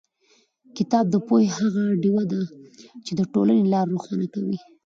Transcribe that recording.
کتاب د پوهې هغه ډېوه ده چې د ټولنې لار روښانه کوي.